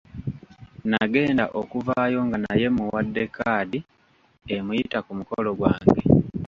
Nagenda okuvaayo nga naye mmuwadde 'kkaadi' emuyita ku mukolo gwange.